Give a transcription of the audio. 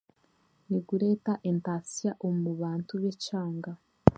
Nikureeta entaasya omu bantu y'ekyanga.